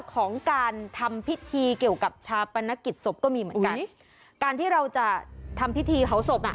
ของการทำพิธีเกี่ยวกับชาปนกิจศพก็มีเหมือนกันการที่เราจะทำพิธีเผาศพน่ะ